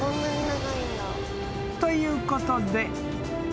ということで］